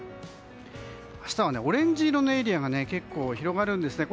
明日はオレンジ色のエリアが結構、広がるんですね。